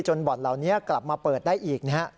จนบอร์ดเหล่านี้กลับมาเปิดได้อีกเนี้ย